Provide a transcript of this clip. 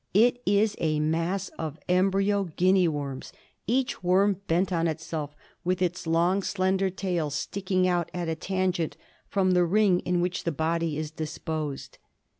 It is a mass of embryo Guinea worms, each worm bent on itself with its long slender tail sticking out at a tangent from the ring in which the body is disposed.